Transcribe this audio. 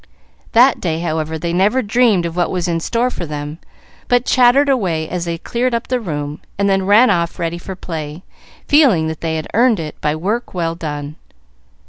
That day, however, they never dreamed of what was in store for them, but chattered away as they cleared up the room, and then ran off ready for play, feeling that they had earned it by work well done.